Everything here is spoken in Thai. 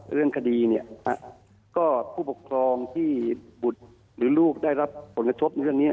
เรื่องคดีเนี่ยก็ผู้ปกครองที่บุตรหรือลูกได้รับผลกระทบในเรื่องนี้